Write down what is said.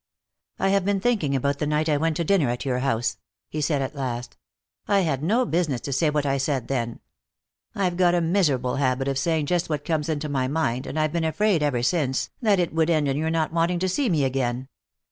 "I have been thinking about the night I went to dinner at your house," he said at last. "I had no business to say what I said then. I've got a miserable habit of saying just what comes into my mind, and I've been afraid, ever since, that it would end in your not wanting to see me again.